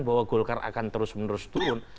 bahwa golkar akan terus menerus turun